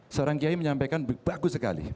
seorang kiai menyampaikan bagus sekali